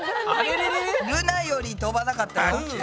ルナよりとばなかったな。